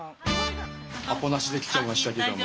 アポなしで来ちゃいましたけども。